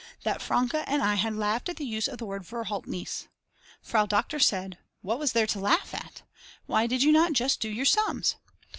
that Franke and I had laughed at the use of the word "Verhaltnis." Frau Doktor said: What was there to laugh at? Why did you not just do your sums?